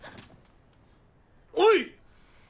おい！